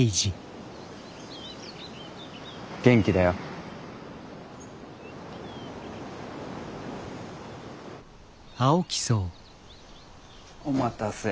元気だよ。お待たせ。